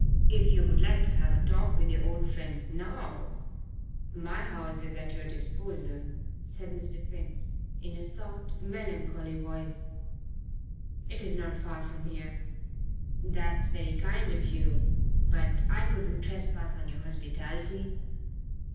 "If you would like to have a talk with your old friends now, my house is at your disposal," said Mr. Finn, in a soft, melancholy voice. "It is not far from here." "That's very kind of you but I couldn't trespass on your hospitality."